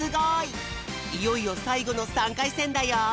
いよいよさいごの３かいせんだよ！